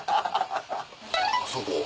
あそこ？